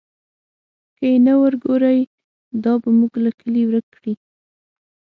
که یې نه ورکوئ، دا به موږ له کلي ورک کړي.